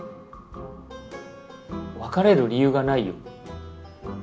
別れる理由がないよ。